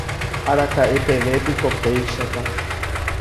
araka'epevépiko péichata